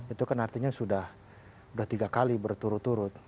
itu kan artinya sudah tiga kali berturut turut